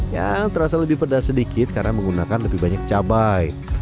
yang terasa lebih pedas sedikit karena menggunakan lebih banyak cabai